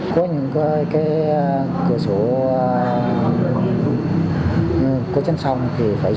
có những cái cửa sổ có trấn song thì phải dùng đến mỗi lát để trấn song phải chui vào được